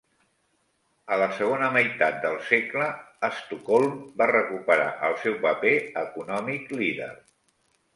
A la segona meitat del segle, Estocolm va recuperar el seu paper econòmic líder.